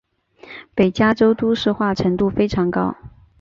北加州都市化程度非常高。